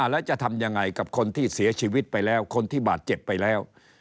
แล้วจะทำยังไงกับคนที่เสียชีวิตไปแล้วคนที่บาดเจ็บไปแล้ว